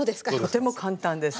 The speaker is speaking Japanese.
とても簡単です。